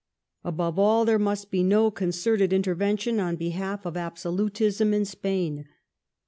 Above all, there must be no , concerted intervention on behalf of absolutism in Spain.